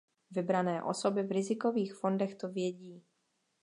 Vybrané osoby v rizikových fondech to vědí.